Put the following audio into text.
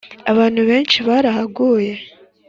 abantu benshi barahaguye